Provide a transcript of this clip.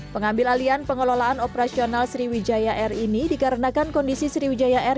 pengambil alian pengelolaan operasional sriwijaya air ini dikarenakan kondisi sriwijaya air